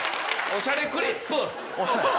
『おしゃれクリップ』！